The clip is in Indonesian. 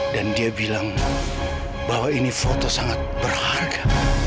dan dia bilang bahwa ini foto sangat berharga